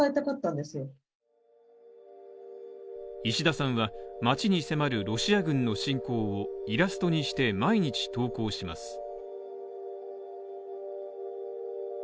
石田さんは、町に迫るロシア軍の侵攻をイラストにして毎日投稿します。